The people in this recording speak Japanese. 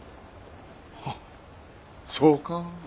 あっそうか。